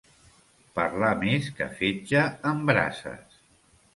Parlar més que fetge en brases.